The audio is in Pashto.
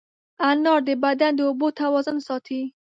انار د بدن د اوبو توازن ساتي.